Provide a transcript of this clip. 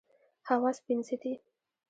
حواس پنځه دي.